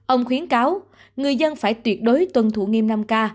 ông khuyến cáo người dân phải tuyệt đối tuân thủ nghiêm năm k